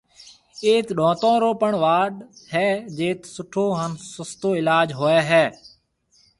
ايٿ ڏونتون رو پڻ وارڊ ھيََََ جيٽ سُٺو ھان سستو علاج ھوئيَ ھيََََ۔